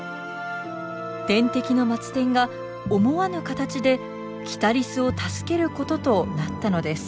天敵のマツテンが思わぬ形でキタリスを助けることとなったのです。